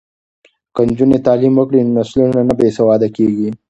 که نجونې تعلیم وکړي نو نسلونه نه بې سواده کیږي.